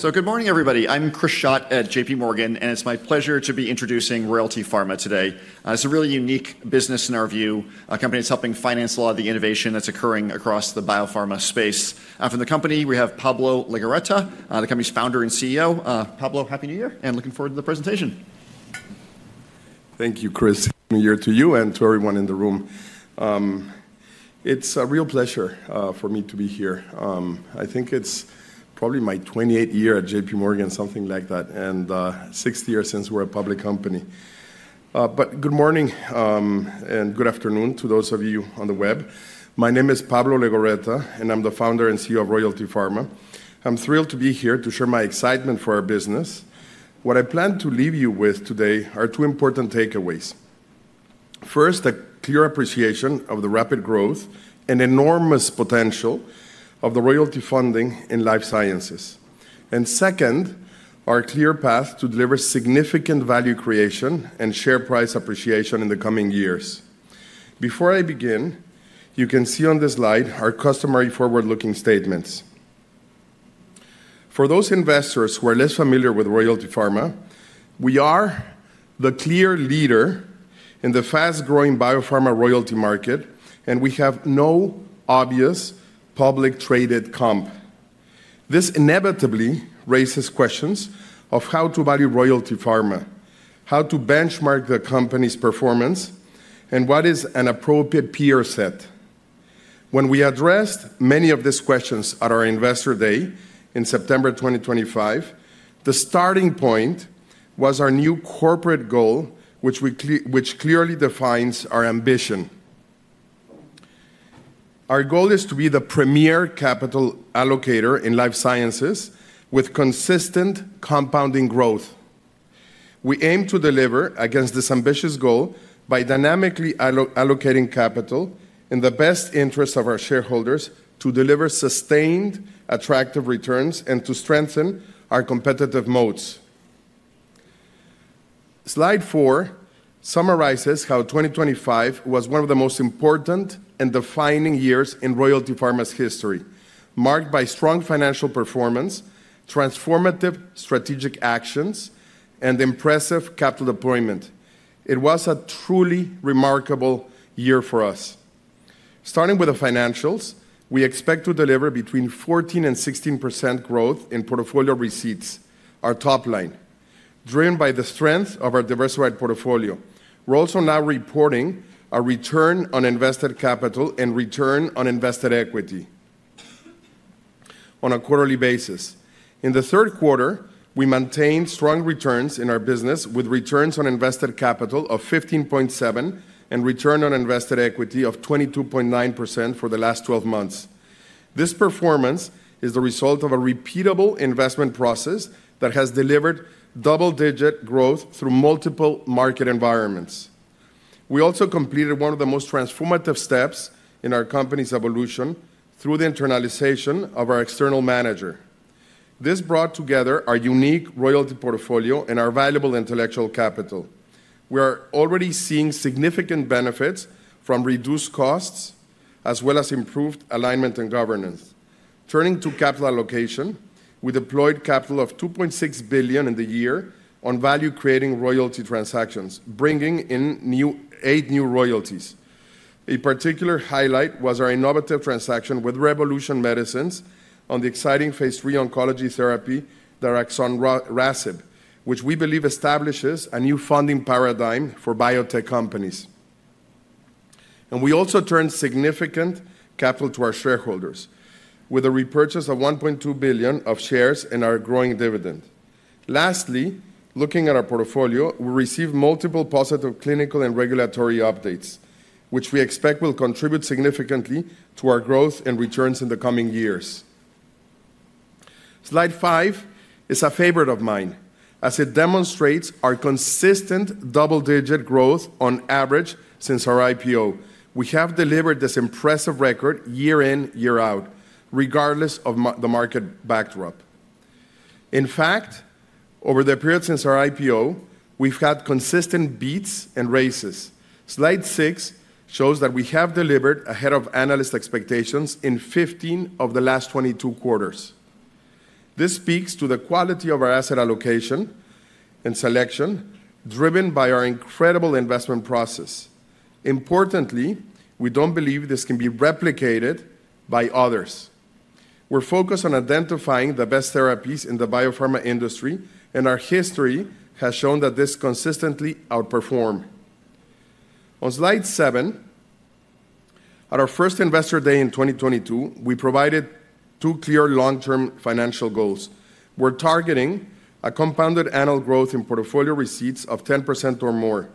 Good morning, everybody. I'm Chris Schott at JPMorgan, and it's my pleasure to be introducing Royalty Pharma today. It's a really unique business in our view, a company that's helping finance a lot of the innovation that's occurring across the biopharma space. From the company, we have Pablo Legorreta, the company's founder and CEO. Pablo, happy New Year, and looking forward to the presentation. Thank you, Chris. Happy New Year to you and to everyone in the room. It's a real pleasure for me to be here. I think it's probably my 28th year at JPMorgan, something like that, and 60 years since we're a public company, but good morning and good afternoon to those of you on the web. My name is Pablo Legorreta, and I'm the founder and CEO of Royalty Pharma. I'm thrilled to be here to share my excitement for our business. What I plan to leave you with today are two important takeaways. First, a clear appreciation of the rapid growth and enormous potential of the royalty funding in life sciences. And second, our clear path to deliver significant value creation and share price appreciation in the coming years. Before I begin, you can see on this slide our customary forward-looking statements. For those investors who are less familiar with Royalty Pharma, we are the clear leader in the fast-growing biopharma royalty market, and we have no obvious public-traded comp. This inevitably raises questions of how to value Royalty Pharma, how to benchmark the company's performance, and what is an appropriate peer set. When we addressed many of these questions at our Investor Day in September 2025, the starting point was our new corporate goal, which clearly defines our ambition. Our goal is to be the premier capital allocator in life sciences with consistent compounding growth. We aim to deliver against this ambitious goal by dynamically allocating capital in the best interests of our shareholders to deliver sustained attractive returns and to strengthen our competitive moats. Slide 4 summarizes how 2025 was one of the most important and defining years in Royalty Pharma's history, marked by strong financial performance, transformative strategic actions, and impressive capital deployment. It was a truly remarkable year for us. Starting with the financials, we expect to deliver between 14% and 16% growth in portfolio receipts, our top line, driven by the strength of our diversified portfolio. We're also now reporting a return on invested capital and return on invested equity on a quarterly basis. In the third quarter, we maintained strong returns in our business with returns on invested capital of 15.7% and return on invested equity of 22.9% for the last 12 months. This performance is the result of a repeatable investment process that has delivered double-digit growth through multiple market environments. We also completed one of the most transformative steps in our company's evolution through the internalization of our external manager. This brought together our unique royalty portfolio and our valuable intellectual capital. We are already seeing significant benefits from reduced costs as well as improved alignment and governance. Turning to capital allocation, we deployed capital of $2.6 billion in the year on value-creating royalty transactions, bringing in eight new royalties. A particular highlight was our innovative transaction with Revolution Medicines on the exciting phase III oncology therapy that acts on RAS, which we believe establishes a new funding paradigm for biotech companies. And we also turned significant capital to our shareholders with a repurchase of $1.2 billion of shares and our growing dividend. Lastly, looking at our portfolio, we received multiple positive clinical and regulatory updates, which we expect will contribute significantly to our growth and returns in the coming years. Slide 5 is a favorite of mine, as it demonstrates our consistent double-digit growth on average since our IPO. We have delivered this impressive record year in, year out, regardless of the market backdrop. In fact, over the period since our IPO, we've had consistent beats and raises. Slide 6 shows that we have delivered ahead of analyst expectations in 15 of the last 22 quarters. This speaks to the quality of our asset allocation and selection driven by our incredible investment process. Importantly, we don't believe this can be replicated by others. We're focused on identifying the best therapies in the biopharma industry, and our history has shown that this consistently outperformed. On slide 7, at our first Investor Day in 2022, we provided two clear long-term financial goals. We're targeting a compounded annual growth in portfolio receipts of 10% or more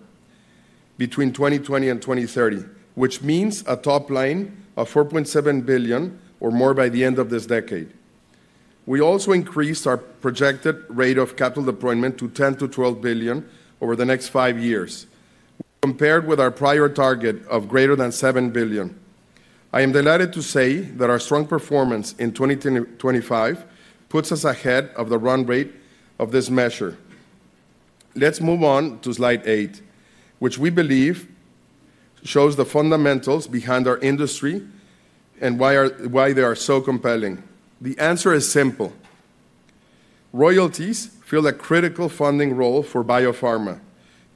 between 2020 and 2030, which means a top line of $4.7 billion or more by the end of this decade. We also increased our projected rate of capital deployment to $10 billion-$12 billion over the next five years, compared with our prior target of greater than $7 billion. I am delighted to say that our strong performance in 2025 puts us ahead of the run rate of this measure. Let's move on to slide 8, which we believe shows the fundamentals behind our industry and why they are so compelling. The answer is simple. Royalties fill a critical funding role for biopharma.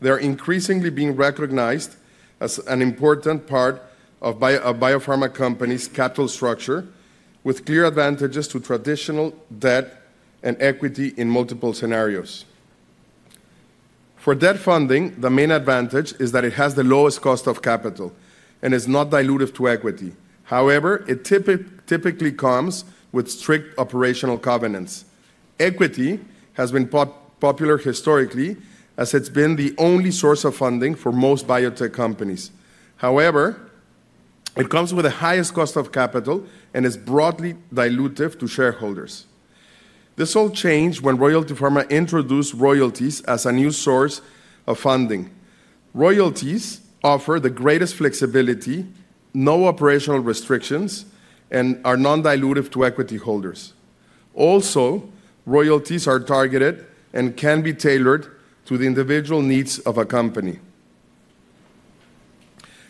They're increasingly being recognized as an important part of biopharma companies' capital structure, with clear advantages to traditional debt and equity in multiple scenarios. For debt funding, the main advantage is that it has the lowest cost of capital and is not dilutive to equity. However, it typically comes with strict operational covenants. Equity has been popular historically as it's been the only source of funding for most biotech companies. However, it comes with the highest cost of capital and is broadly dilutive to shareholders. This all changed when Royalty Pharma introduced royalties as a new source of funding. Royalties offer the greatest flexibility, no operational restrictions, and are non-dilutive to equity holders. Also, royalties are targeted and can be tailored to the individual needs of a company.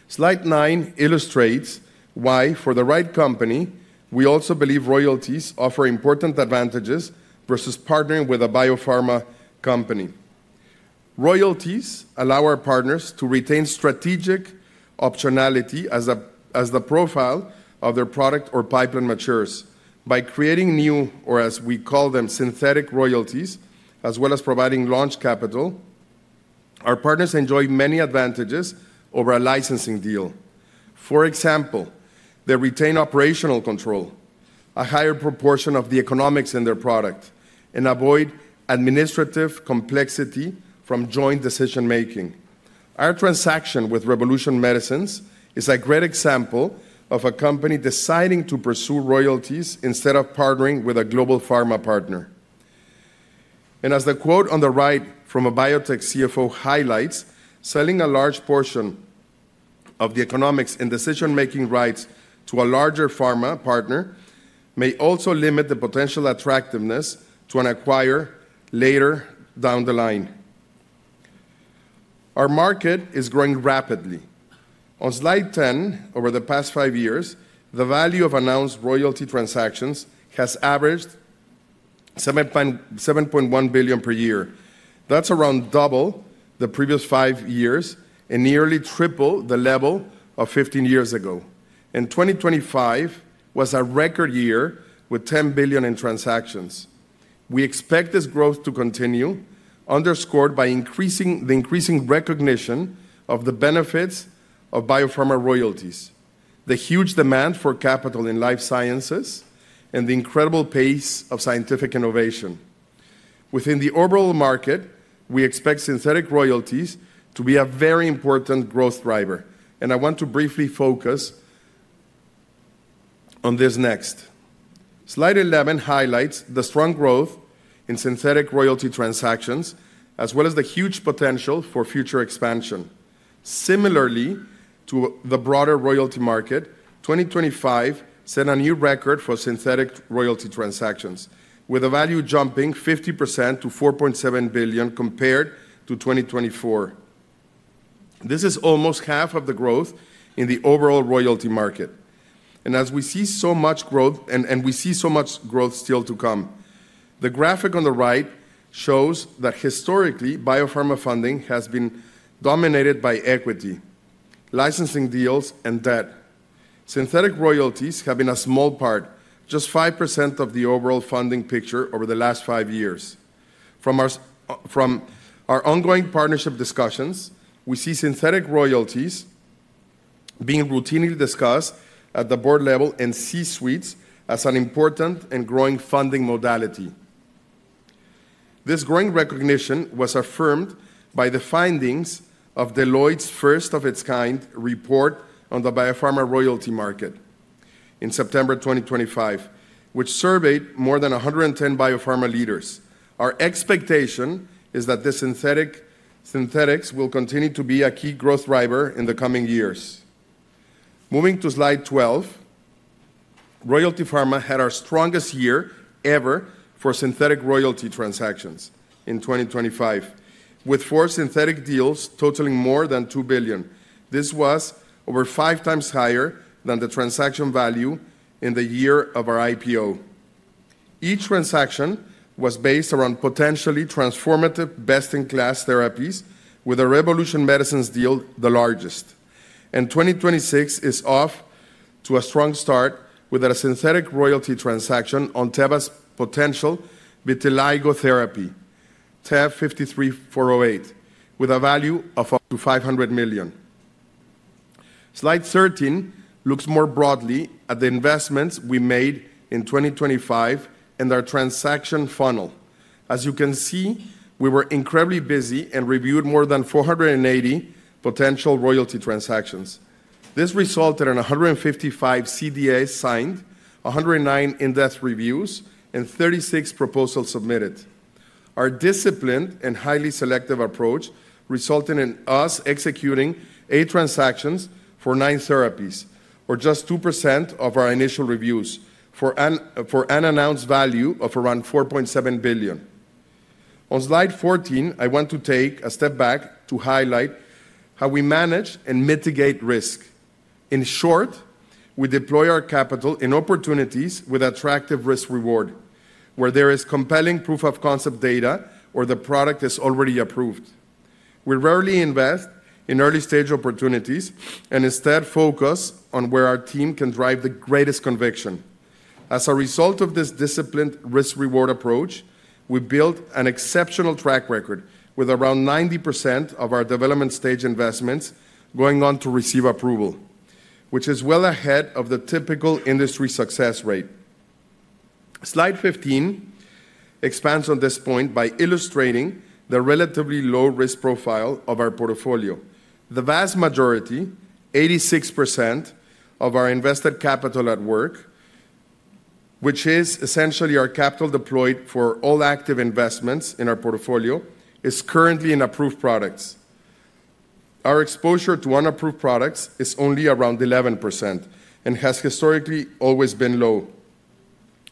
Slide 9 illustrates why, for the right company, we also believe royalties offer important advantages versus partnering with a biopharma company. Royalties allow our partners to retain strategic optionality as the profile of their product or pipeline matures. By creating new, or as we call them, synthetic royalties, as well as providing launch capital, our partners enjoy many advantages over a licensing deal. For example, they retain operational control, a higher proportion of the economics in their product, and avoid administrative complexity from joint decision-making. Our transaction with Revolution Medicines is a great example of a company deciding to pursue royalties instead of partnering with a global pharma partner. And as the quote on the right from a biotech CFO highlights, selling a large portion of the economics and decision-making rights to a larger pharma partner may also limit the potential attractiveness to an acquirer later down the line. Our market is growing rapidly. On slide 10, over the past five years, the value of announced royalty transactions has averaged $7.1 billion per year. That's around double the previous five years and nearly triple the level of 15 years ago. 2025 was a record year with $10 billion in transactions. We expect this growth to continue, underscored by the increasing recognition of the benefits of biopharma royalties, the huge demand for capital in life sciences, and the incredible pace of scientific innovation. Within the overall market, we expect synthetic royalties to be a very important growth driver. I want to briefly focus on this next. Slide 11 highlights the strong growth in synthetic royalty transactions, as well as the huge potential for future expansion. Similarly to the broader royalty market, 2025 set a new record for synthetic royalty transactions, with the value jumping 50% to $4.7 billion compared to 2024. This is almost half of the growth in the overall royalty market, and as we see so much growth, and we see so much growth still to come, the graphic on the right shows that historically, biopharma funding has been dominated by equity, licensing deals, and debt. Synthetic royalties have been a small part, just 5% of the overall funding picture over the last five years. From our ongoing partnership discussions, we see synthetic royalties being routinely discussed at the board level and C-Suites as an important and growing funding modality. This growing recognition was affirmed by the findings of Deloitte's first-of-its-kind report on the biopharma royalty market in September 2025, which surveyed more than 110 biopharma leaders. Our expectation is that these synthetics will continue to be a key growth driver in the coming years. Moving to slide 12, Royalty Pharma had our strongest year ever for synthetic royalty transactions in 2025, with four synthetic deals totaling more than $2 billion. This was over five times higher than the transaction value in the year of our IPO. Each transaction was based around potentially transformative best-in-class therapies, with the Revolution Medicines deal the largest. And 2026 is off to a strong start with a synthetic royalty transaction on Teva's potential vitiligo therapy, TEV-53408, with a value of $500 million. Slide 13 looks more broadly at the investments we made in 2025 and our transaction funnel. As you can see, we were incredibly busy and reviewed more than 480 potential royalty transactions. This resulted in 155 CDAs signed, 109 in-depth reviews, and 36 proposals submitted. Our disciplined and highly selective approach resulted in us executing eight transactions for nine therapies, or just 2% of our initial reviews, for an unannounced value of around $4.7 billion. On slide 14, I want to take a step back to highlight how we manage and mitigate risk. In short, we deploy our capital in opportunities with attractive risk-reward, where there is compelling proof-of-concept data or the product is already approved. We rarely invest in early-stage opportunities and instead focus on where our team can drive the greatest conviction. As a result of this disciplined risk-reward approach, we built an exceptional track record, with around 90% of our development-stage investments going on to receive approval, which is well ahead of the typical industry success rate. Slide 15 expands on this point by illustrating the relatively low risk profile of our portfolio. The vast majority, 86% of our invested capital at work, which is essentially our capital deployed for all active investments in our portfolio, is currently in approved products. Our exposure to unapproved products is only around 11% and has historically always been low.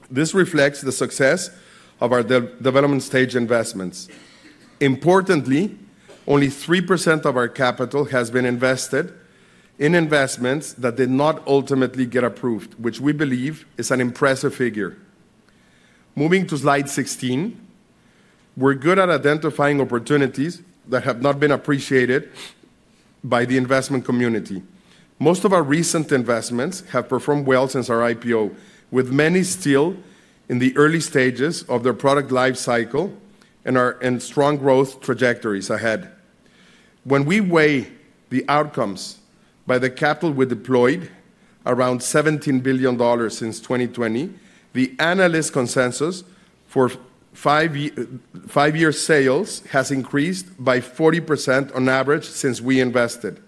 This reflects the success of our development-stage investments. Importantly, only 3% of our capital has been invested in investments that did not ultimately get approved, which we believe is an impressive figure. Moving to slide 16, we're good at identifying opportunities that have not been appreciated by the investment community. Most of our recent investments have performed well since our IPO, with many still in the early stages of their product life cycle and strong growth trajectories ahead. When we weigh the outcomes by the capital we deployed, around $17 billion since 2020, the analyst consensus for five-year sales has increased by 40% on average since we invested.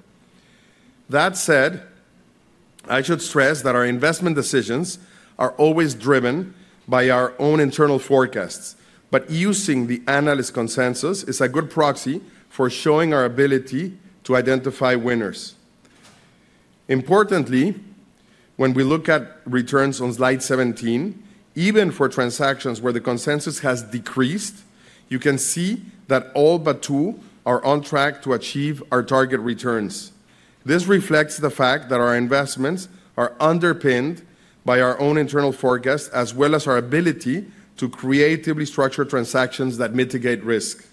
That said, I should stress that our investment decisions are always driven by our own internal forecasts. But using the analyst consensus is a good proxy for showing our ability to identify winners. Importantly, when we look at returns on slide 17, even for transactions where the consensus has decreased, you can see that all but two are on track to achieve our target returns. This reflects the fact that our investments are underpinned by our own internal forecasts, as well as our ability to creatively structure transactions that mitigate risk.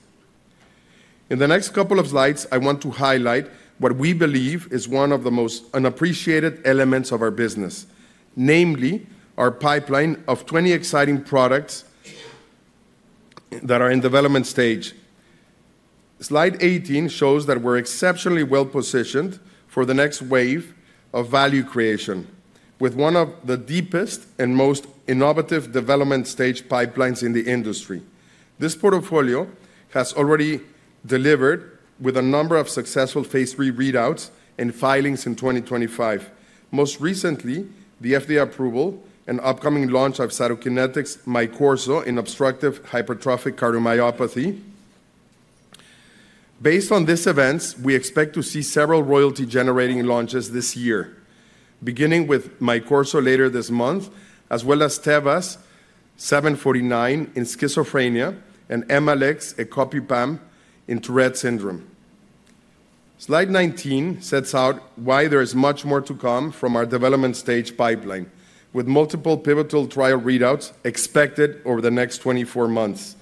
In the next couple of slides, I want to highlight what we believe is one of the most unappreciated elements of our business, namely our pipeline of 20 exciting products that are in development stage. Slide 18 shows that we're exceptionally well-positioned for the next wave of value creation, with one of the deepest and most innovative development-stage pipelines in the industry. This portfolio has already delivered with a number of successful phase III readouts and filings in 2025. Most recently, the FDA approval and upcoming launch of Cytokinetics Myqorzo in obstructive hypertrophic cardiomyopathy. Based on these events, we expect to see several royalty-generating launches this year, beginning with Myqorzo later this month, as well as TEV-749 in schizophrenia and Emalex's ecopipam in Tourette syndrome. Slide 19 sets out why there is much more to come from our development-stage pipeline, with multiple pivotal trial readouts expected over the next 24 months.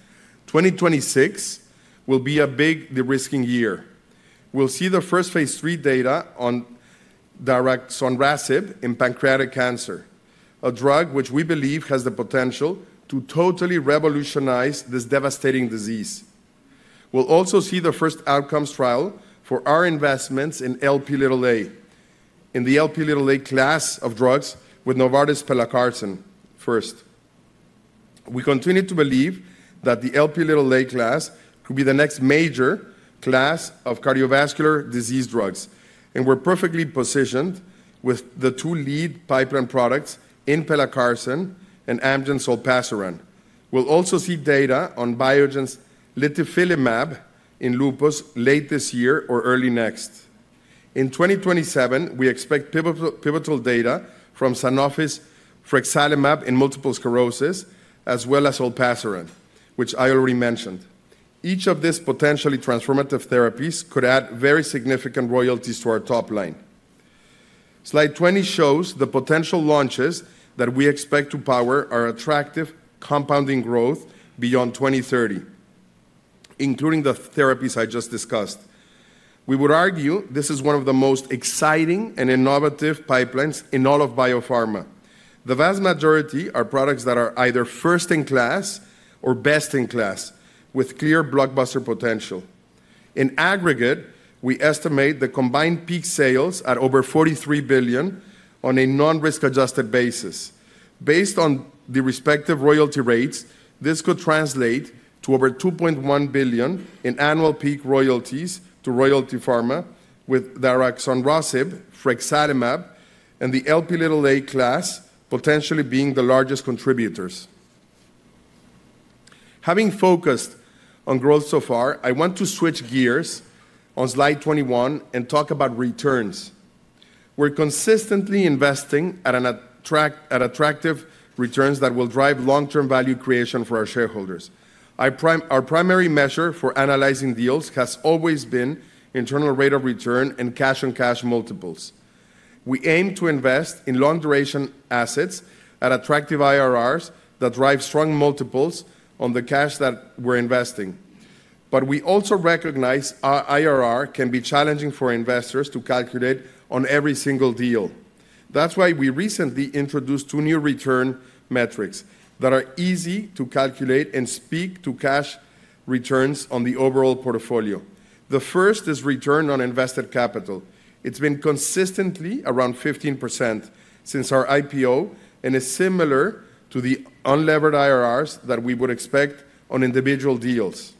2026 will be a big de-risking year. We'll see the first phase III data on RMC-6236 in pancreatic cancer, a drug which we believe has the potential to totally revolutionize this devastating disease. We'll also see the first outcomes trial for our investments in Lp(a) and the Lp(a) class of drugs with Novartis' pelacarsen first. We continue to believe that the Lp(a) class could be the next major class of cardiovascular disease drugs. And we're perfectly positioned with the two lead pipeline products in pelacarsen and Amgen's olpasiran. We'll also see data on Biogen's litifilimab in lupus late this year or early next. In 2027, we expect pivotal data from Sanofi's frexalimab in multiple sclerosis, as well as olpasiran, which I already mentioned. Each of these potentially transformative therapies could add very significant royalties to our top line. Slide 20 shows the potential launches that we expect to power our attractive compounding growth beyond 2030, including the therapies I just discussed. We would argue this is one of the most exciting and innovative pipelines in all of biopharma. The vast majority are products that are either first-in-class or best-in-class, with clear blockbuster potential. In aggregate, we estimate the combined peak sales at over $43 billion on a non-risk-adjusted basis. Based on the respective royalty rates, this could translate to over $2.1 billion in annual peak royalties to Royalty Pharma, with Vorasidenib, Frexalimab, and the Lp(a) class potentially being the largest contributors. Having focused on growth so far, I want to switch gears on Slide 21 and talk about returns. We're consistently investing at attractive returns that will drive long-term value creation for our shareholders. Our primary measure for analyzing deals has always been internal rate of return and cash-on-cash multiples. We aim to invest in long-duration assets at attractive IRRs that drive strong multiples on the cash that we're investing. But we also recognize IRR can be challenging for investors to calculate on every single deal. That's why we recently introduced two new return metrics that are easy to calculate and speak to cash returns on the overall portfolio. The first is return on invested capital. It's been consistently around 15% since our IPO and is similar to the unlevered IRRs that we would expect on individual deals.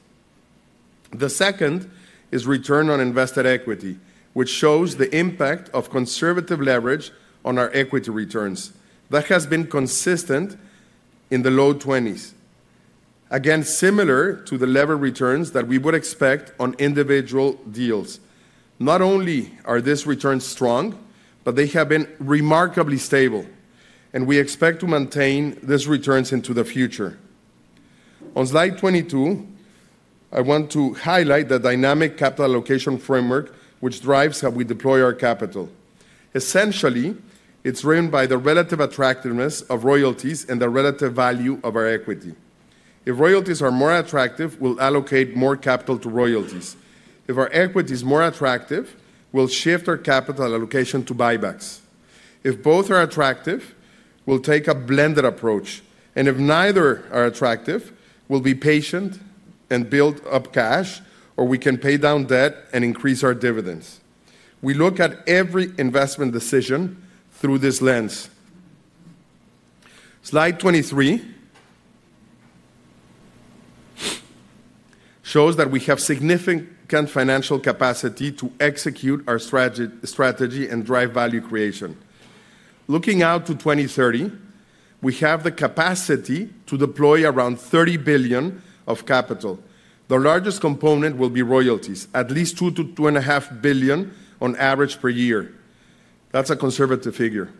The second is return on invested equity, which shows the impact of conservative leverage on our equity returns that has been consistent in the low 20s, again, similar to the levered returns that we would expect on individual deals. Not only are these returns strong, but they have been remarkably stable, and we expect to maintain these returns into the future. On slide 22, I want to highlight the dynamic capital allocation framework, which drives how we deploy our capital. Essentially, it's driven by the relative attractiveness of royalties and the relative value of our equity. If royalties are more attractive, we'll allocate more capital to royalties. If our equity is more attractive, we'll shift our capital allocation to buybacks. If both are attractive, we'll take a blended approach. If neither are attractive, we'll be patient and build up cash, or we can pay down debt and increase our dividends. We look at every investment decision through this lens. Slide 23 shows that we have significant financial capacity to execute our strategy and drive value creation. Looking out to 2030, we have the capacity to deploy around $30 billion of capital. The largest component will be royalties, at least $2 billion-$2.5 billion on average per year. That's a conservative figure.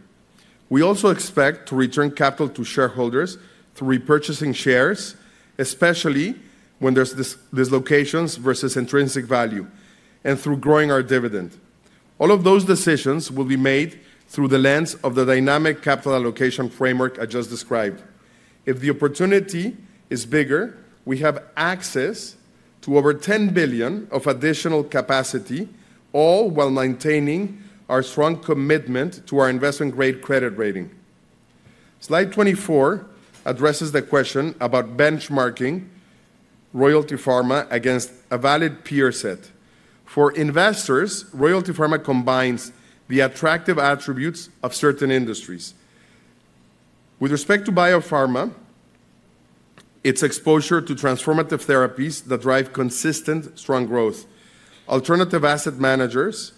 We also expect to return capital to shareholders through repurchasing shares, especially when there's dislocations versus intrinsic value, and through growing our dividend. All of those decisions will be made through the lens of the dynamic capital allocation framework I just described. If the opportunity is bigger, we have access to over $10 billion of additional capacity, all while maintaining our strong commitment to our investment-grade credit rating. Slide 24 addresses the question about benchmarking Royalty Pharma against a valid peer set. For investors, Royalty Pharma combines the attractive attributes of certain industries. With respect to biopharma, it's exposure to transformative therapies that drive consistent strong growth. Alternative asset managers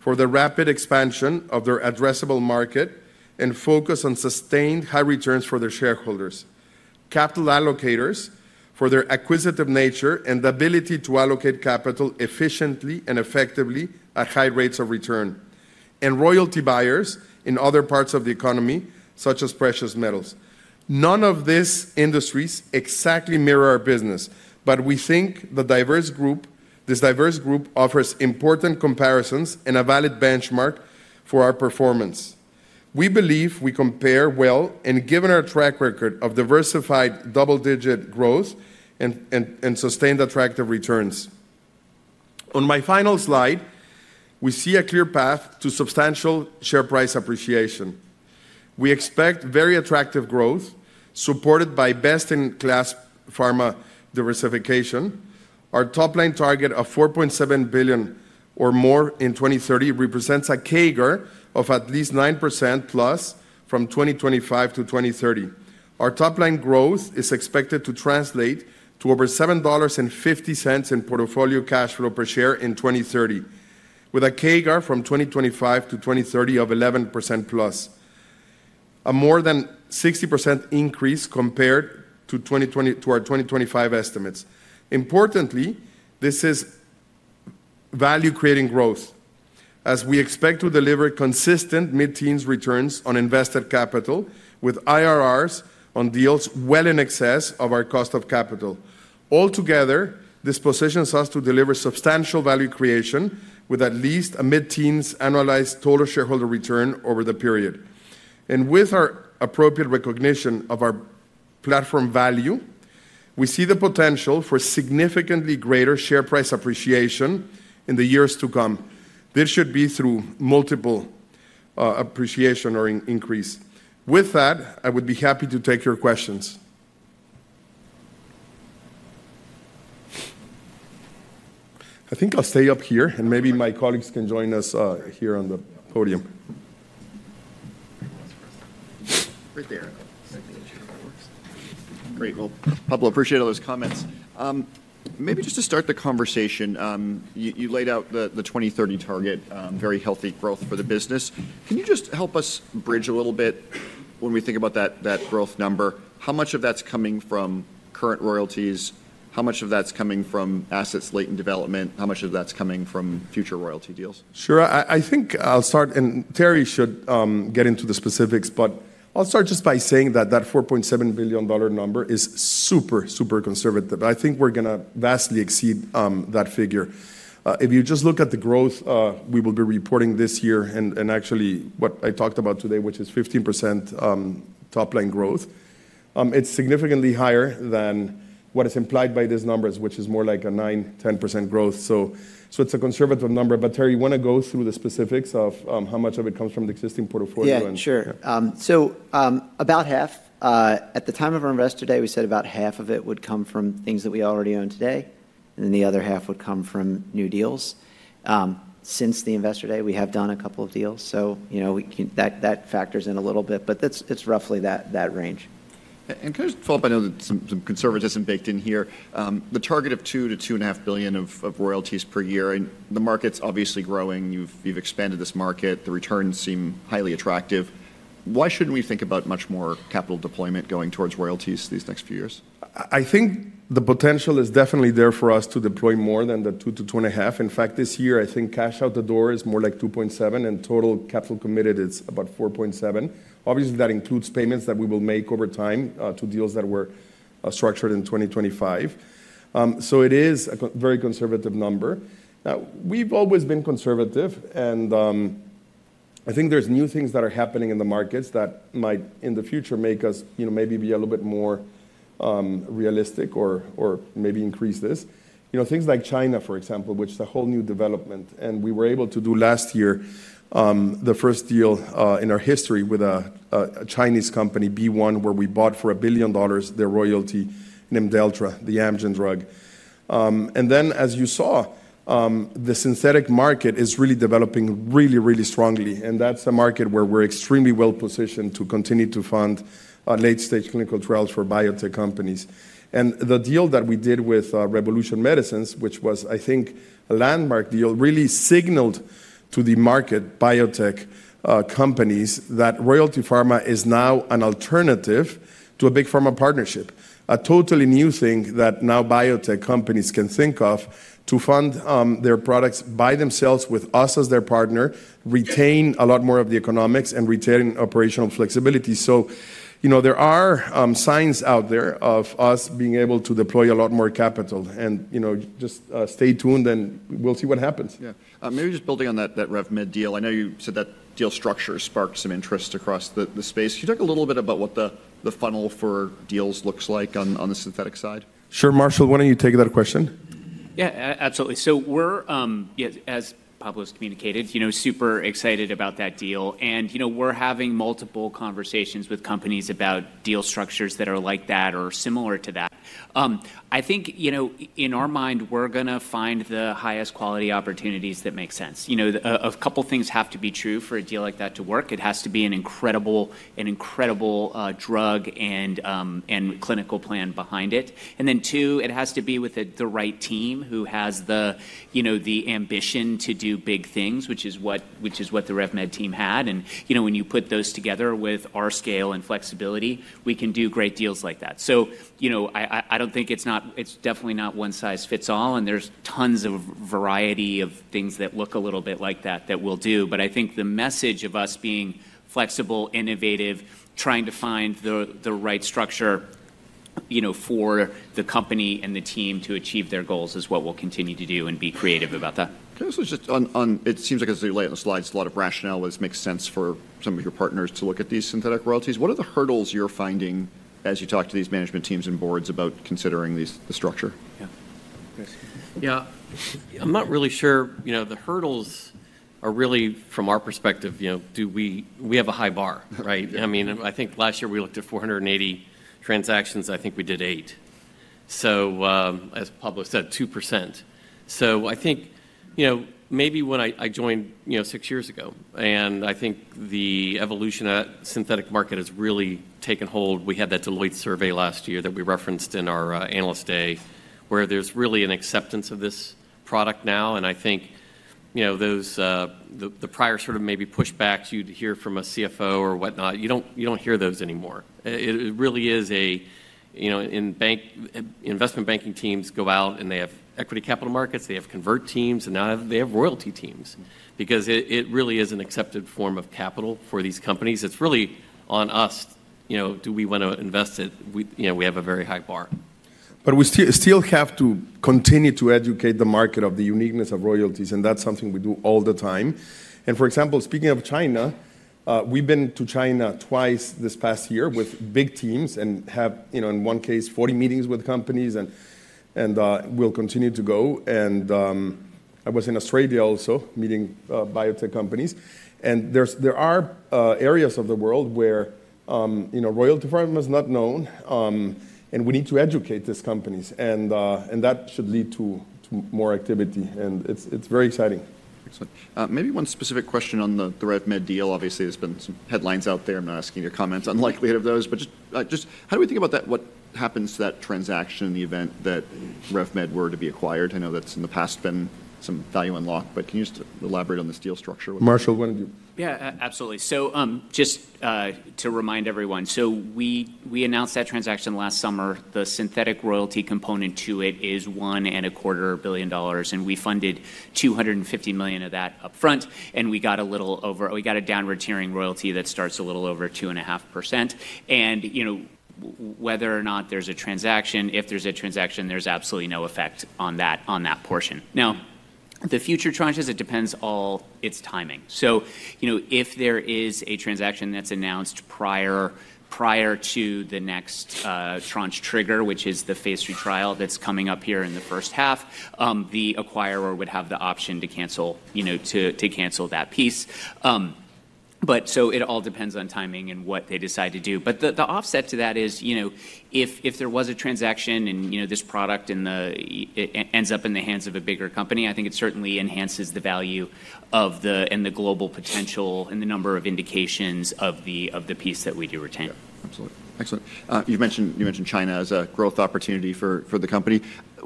for the rapid expansion of their addressable market and focus on sustained high returns for their shareholders. Capital allocators for their acquisitive nature and the ability to allocate capital efficiently and effectively at high rates of return. And royalty buyers in other parts of the economy, such as precious metals. None of these industries exactly mirror our business, but we think this diverse group offers important comparisons and a valid benchmark for our performance. We believe we compare well, given our track record of diversified double-digit growth and sustained attractive returns. On my final slide, we see a clear path to substantial share price appreciation. We expect very attractive growth supported by best-in-class pharma diversification. Our top line target of $4.7 billion or more in 2030 represents a CAGR of at least 9% plus from 2025 to 2030. Our top line growth is expected to translate to over $7.50 in portfolio cash flow per share in 2030, with a CAGR from 2025 to 2030 of 11% plus, a more than 60% increase compared to our 2025 estimates. Importantly, this is value-creating growth, as we expect to deliver consistent mid-teens returns on invested capital with IRRs on deals well in excess of our cost of capital. Altogether, this positions us to deliver substantial value creation with at least a mid-teens annualized total shareholder return over the period. And with our appropriate recognition of our platform value, we see the potential for significantly greater share price appreciation in the years to come. This should be through multiple appreciation or increase. With that, I would be happy to take your questions. I think I'll stay up here, and maybe my colleagues can join us here on the podium. Right there. Great. Well, Pablo, appreciate all those comments. Maybe just to start the conversation, you laid out the 2030 target, very healthy growth for the business. Can you just help us bridge a little bit when we think about that growth number? How much of that's coming from current royalties? How much of that's coming from assets late in development? How much of that's coming from future royalty deals? Sure. I think I'll start, and Terry should get into the specifics, but I'll start just by saying that that $4.7 billion number is super, super conservative. I think we're going to vastly exceed that figure. If you just look at the growth we will be reporting this year and actually what I talked about today, which is 15% top line growth, it's significantly higher than what is implied by these numbers, which is more like a 9%-10% growth. So it's a conservative number. But Terry, you want to go through the specifics of how much of it comes from the existing portfolio? Yeah, sure. So about half. At the time of our Investor Day, we said about half of it would come from things that we already own today, and then the other half would come from new deals. Since the Investor Day, we have done a couple of deals. So that factors in a little bit, but it's roughly that range, and can I just follow up? I know that some conservatism baked in here. The target of $2 billion-$2.5 billion of royalties per year, and the market's obviously growing. You've expanded this market. The returns seem highly attractive. Why shouldn't we think about much more capital deployment going towards royalties these next few years? I think the potential is definitely there for us to deploy more than the $2-$2.5. In fact, this year, I think cash out the door is more like $2.7, and total capital committed is about $4.7. Obviously, that includes payments that we will make over time to deals that were structured in 2025. So it is a very conservative number. We've always been conservative, and I think there's new things that are happening in the markets that might, in the future, make us maybe be a little bit more realistic or maybe increase this. Things like China, for example, which is a whole new development, and we were able to do last year the first deal in our history with a Chinese company, BeOne, where we bought for $1 billion their royalty named olpasiran, the Amgen drug. And then, as you saw, the synthetic market is really developing really, really strongly, and that's a market where we're extremely well positioned to continue to fund late-stage clinical trials for biotech companies. The deal that we did with Revolution Medicines, which was, I think, a landmark deal, really signaled to the market, biotech companies, that Royalty Pharma is now an alternative to a big pharma partnership, a totally new thing that now biotech companies can think of to fund their products by themselves with us as their partner, retain a lot more of the economics, and retain operational flexibility. There are signs out there of us being able to deploy a lot more capital. Just stay tuned, and we'll see what happens. Yeah. Maybe just building on that RevMed deal, I know you said that deal structure sparked some interest across the space. Can you talk a little bit about what the funnel for deals looks like on the synthetic side? Sure. Marshall, why don't you take that question? Yeah, absolutely. So we're, as Pablo has communicated, super excited about that deal, and we're having multiple conversations with companies about deal structures that are like that or similar to that. I think in our mind, we're going to find the highest quality opportunities that make sense. A couple of things have to be true for a deal like that to work. It has to be an incredible drug and clinical plan behind it. And then, two, it has to be with the right team who has the ambition to do big things, which is what the RevMed team had. And when you put those together with our scale and flexibility, we can do great deals like that. So I don't think it's definitely not one size fits all, and there's tons of variety of things that look a little bit like that that we'll do. But I think the message of us being flexible, innovative, trying to find the right structure for the company and the team to achieve their goals is what we'll continue to do and be creative about that. Can I also just add, it seems like it's too late on the slides, a lot of rationale that makes sense for some of your partners to look at these synthetic royalties. What are the hurdles you're finding as you talk to these management teams and boards about considering the structure? Yeah. I'm not really sure. The hurdles are really, from our perspective, we have a high bar, right? I mean, I think last year we looked at 480 transactions. I think we did eight, so as Pablo said, 2%. So I think maybe when I joined six years ago, and I think the evolution of the synthetic market has really taken hold. We had that Deloitte survey last year that we referenced in our Analyst Day, where there's really an acceptance of this product now, and I think the prior sort of maybe pushback you'd hear from a CFO or whatnot, you don't hear those anymore. It really is an investment banking teams go out, and they have equity capital markets, they have convert teams, and now they have royalty teams because it really is an accepted form of capital for these companies. It's really on us, do we want to invest it? We have a very high bar, but we still have to continue to educate the market of the uniqueness of royalties, and that's something we do all the time. For example, speaking of China, we've been to China twice this past year with big teams and have, in one case, 40 meetings with companies, and we'll continue to go. I was in Australia also meeting biotech companies. There are areas of the world where Royalty Pharma is not known, and we need to educate these companies, and that should lead to more activity. It's very exciting. Excellent. Maybe one specific question on the RevMed deal. Obviously, there's been some headlines out there. I'm not asking your comments on the likelihood of those, but just how do we think about what happens to that transaction in the event that RevMed were to be acquired? I know that's in the past been some value unlocked, but can you just elaborate on this deal structure? Marshall, why don't you? Yeah, absolutely. Just to remind everyone, we announced that transaction last summer. The synthetic royalty component to it is $1.25 billion, and we funded $250 million of that upfront, and we got a little over a downward-tiering royalty that starts a little over 2.5%. And whether or not there's a transaction, if there's a transaction, there's absolutely no effect on that portion. Now, the future tranches, it depends all on its timing. If there is a transaction that's announced prior to the next tranche trigger, which is the phase III trial that's coming up here in the first half, the acquirer would have the option to cancel that piece. But it all depends on timing and what they decide to do. But the offset to that is if there was a transaction and this product ends up in the hands of a bigger company. I think it certainly enhances the value and the global potential and the number of indications of the piece that we do retain. Absolutely. Excellent. You mentioned China as a growth opportunity for the company.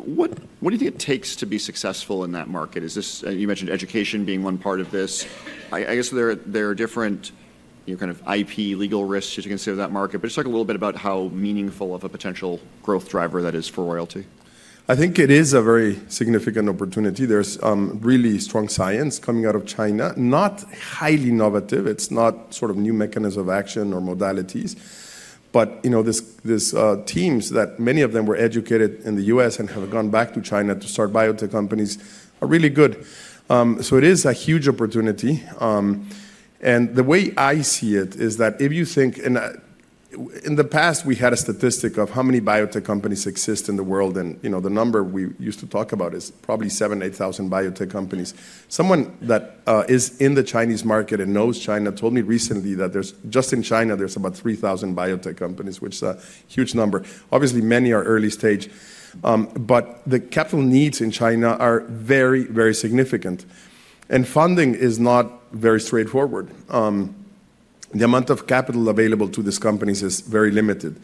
What do you think it takes to be successful in that market? You mentioned education being one part of this. I guess there are different kind of IP legal risks you have to consider in that market, but just talk a little bit about how meaningful of a potential growth driver that is for royalty. I think it is a very significant opportunity. There's really strong science coming out of China, not highly innovative. It's not sort of new mechanisms of action or modalities, but these teams that many of them were educated in the U.S. and have gone back to China to start biotech companies are really good. So it is a huge opportunity. And the way I see it is that if you think in the past, we had a statistic of how many biotech companies exist in the world, and the number we used to talk about is probably 7,000, 8,000 biotech companies. Someone that is in the Chinese market and knows China told me recently that just in China, there's about 3,000 biotech companies, which is a huge number. Obviously, many are early stage, but the capital needs in China are very, very significant, and funding is not very straightforward. The amount of capital available to these companies is very limited.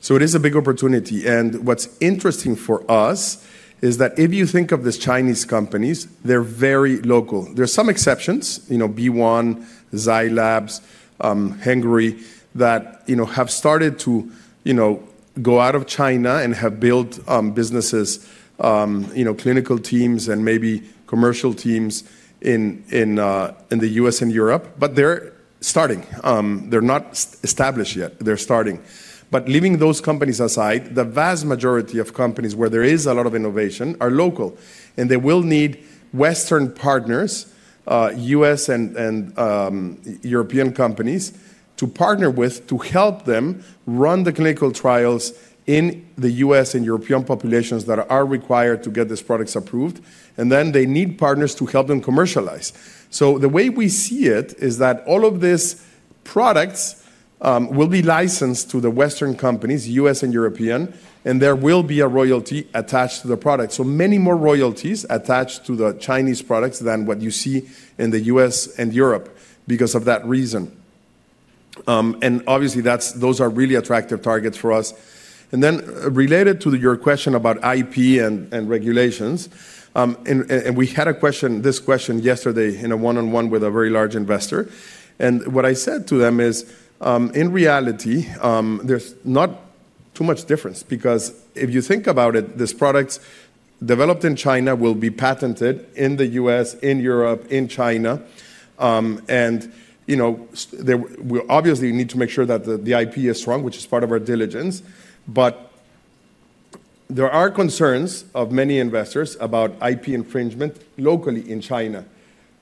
So it is a big opportunity. What's interesting for us is that if you think of these Chinese companies, they're very local. There's some exceptions, BeOne, Zai Lab, Hengrui that have started to go out of China and have built businesses, clinical teams, and maybe commercial teams in the U.S. and Europe, but they're starting. They're not established yet. They're starting. Leaving those companies aside, the vast majority of companies where there is a lot of innovation are local, and they will need Western partners, U.S. and European companies to partner with to help them run the clinical trials in the U.S. and European populations that are required to get these products approved. Then they need partners to help them commercialize. The way we see it is that all of these products will be licensed to the Western companies, U.S. and European, and there will be a royalty attached to the product. So many more royalties attached to the Chinese products than what you see in the U.S. and Europe because of that reason. And obviously, those are really attractive targets for us. And then related to your question about IP and regulations, and we had this question yesterday in a one-on-one with a very large investor. And what I said to them is, in reality, there's not too much difference because if you think about it, these products developed in China will be patented in the U.S., in Europe, in China. And obviously, we need to make sure that the IP is strong, which is part of our diligence. But there are concerns of many investors about IP infringement locally in China.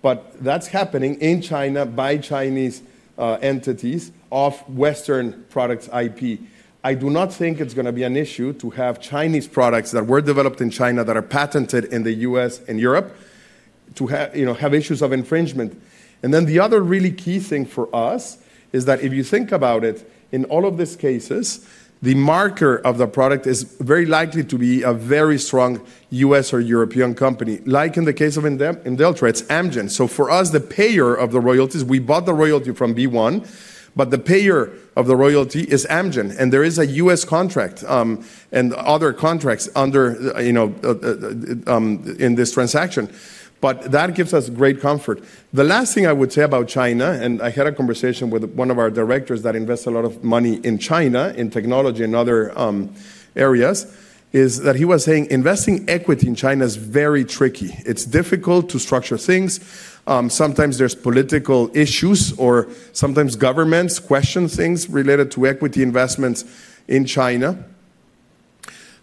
But that's happening in China by Chinese entities of Western products' IP. I do not think it's going to be an issue to have Chinese products that were developed in China that are patented in the U.S. and Europe have issues of infringement, and then the other really key thing for us is that if you think about it, in all of these cases, the maker of the product is very likely to be a very strong U.S. or European company. Like in the case of olpasiran, it's Amgen. So for us, the payer of the royalties, we bought the royalty from BeOne, but the payer of the royalty is Amgen, and there is a U.S. contract and other contracts in this transaction, but that gives us great comfort. The last thing I would say about China, and I had a conversation with one of our directors that invests a lot of money in China, in technology and other areas, is that he was saying investing equity in China is very tricky. It's difficult to structure things. Sometimes there's political issues or sometimes governments question things related to equity investments in China.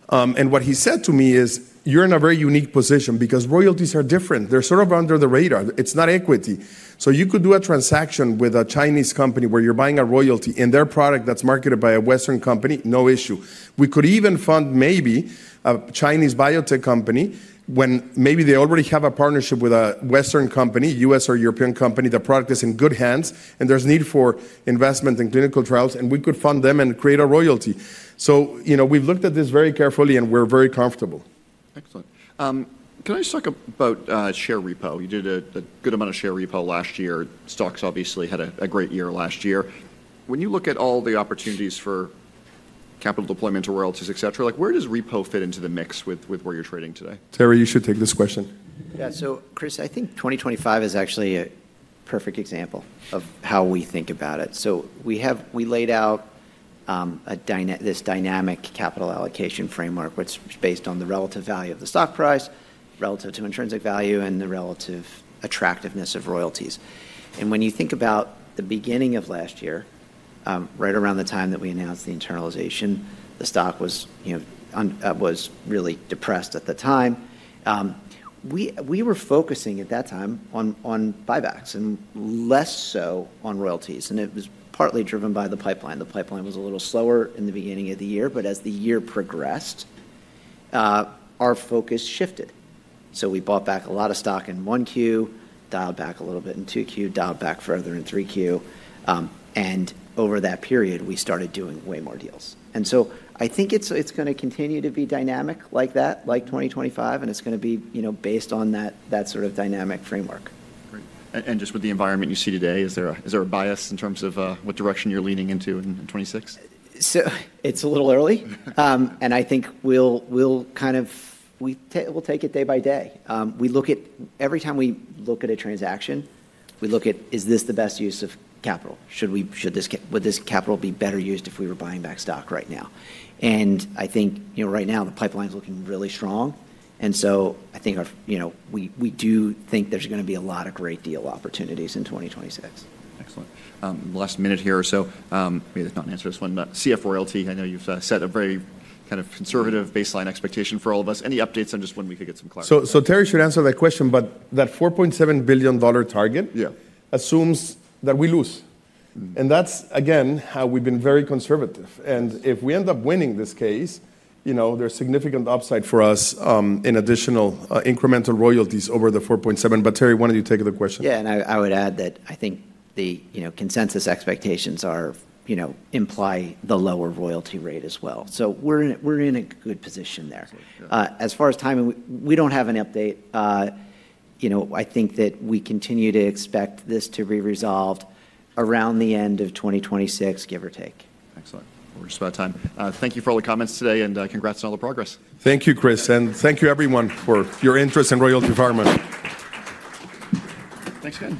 And what he said to me is, "You're in a very unique position because royalties are different. They're sort of under the radar. It's not equity. So you could do a transaction with a Chinese company where you're buying a royalty in their product that's marketed by a Western company, no issue. We could even fund maybe a Chinese biotech company when maybe they already have a partnership with a Western company, U.S. or European company, the product is in good hands, and there's need for investment in clinical trials, and we could fund them and create a royalty. So we've looked at this very carefully, and we're very comfortable. Excellent. Can I just talk about share repo? You did a good amount of share repo last year. Stocks obviously had a great year last year. When you look at all the opportunities for capital deployment to royalties, etc., where does repo fit into the mix with where you're trading today? Terry, you should take this question. Yeah. So Chris, I think 2025 is actually a perfect example of how we think about it. We laid out this dynamic capital allocation framework, which is based on the relative value of the stock price relative to intrinsic value and the relative attractiveness of royalties. And when you think about the beginning of last year, right around the time that we announced the internalization, the stock was really depressed at the time. We were focusing at that time on buybacks and less so on royalties, and it was partly driven by the pipeline. The pipeline was a little slower in the beginning of the year, but as the year progressed, our focus shifted. So we bought back a lot of stock in one Q, dialed back a little bit in two Q, dialed back further in three Q. And over that period, we started doing way more deals. And so I think it's going to continue to be dynamic like that, like 2025, and it's going to be based on that sort of dynamic framework. Great. And just with the environment you see today, is there a bias in terms of what direction you're leaning into in 2026? So it's a little early, and I think we'll kind of take it day by day. Every time we look at a transaction, we look at, is this the best use of capital? Should this capital be better used if we were buying back stock right now? And I think right now the pipeline is looking really strong. And so I think we do think there's going to be a lot of great deal opportunities in 2026. Excellent. Last minute here. So maybe let's not answer this one. CF royalty. I know you've set a very kind of conservative baseline expectation for all of us. Any updates on just when we could get some clarity? So Terry should answer that question, but that $4.7 billion target assumes that we lose. And that's, again, how we've been very conservative. And if we end up winning this case, there's significant upside for us in additional incremental royalties over the 4.7. But Terry, why don't you take the question? Yeah. And I would add that I think the consensus expectations imply the lower royalty rate as well. So we're in a good position there. As far as timing, we don't have an update. I think that we continue to expect this to be resolved around the end of 2026, give or take. Excellent. We're just about time. Thank you for all the comments today, and congrats on all the progress. Thank you, Chris, and thank you, everyone, for your interest in Royalty Pharma. Thanks, guys.